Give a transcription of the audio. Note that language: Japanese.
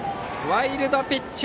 ワイルドピッチ。